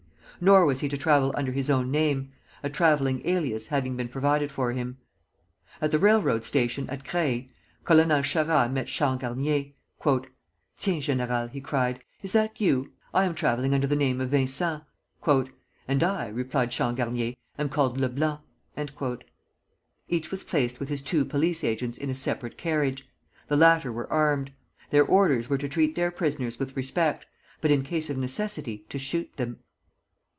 Nor was he to travel under his own name, a travelling alias having been provided for him. At the railroad station at Creil, Colonel Charras met Changarnier. "Tiens, Général!" he cried, "is that you? I am travelling under the name of Vincent." "And I," replied Changarnier, "am called Leblanc." Each was placed with his two police agents in a separate carriage. The latter were armed. Their orders were to treat their prisoners with respect, but in case of necessity to shoot them.